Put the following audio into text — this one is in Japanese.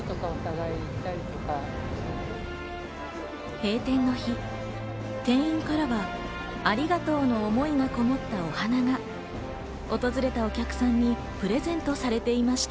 閉店の日、店員からは、ありがとうの思いがこもったお花が訪れたお客さんにプレゼントされていました。